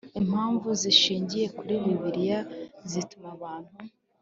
impamvu zishingiye kuri Bibiliya zituma abantu